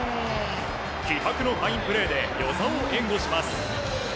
気迫のファインプレーで與座を援護します。